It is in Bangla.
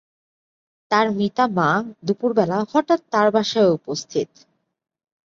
তার মৃতা মা দুপুরবেলা হঠাৎ তাঁর বাসায় উপস্থিত।